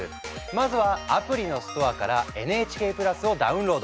まずはアプリのストアからＮＨＫプラスをダウンロード！